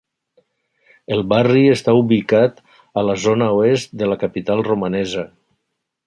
El barri està ubicat a la zona oest de la capital romanesa.